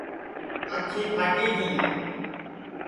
آنکھِیں پھاٹی گینیاں